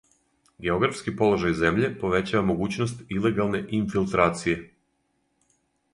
Географски положај земље повећава могућност илегалне инфилтрације.